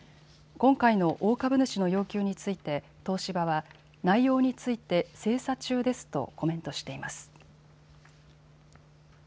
今回の大株主の要求について東芝は内容について精査中ですとコメントしています。